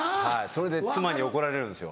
それで妻に怒られるんですよ。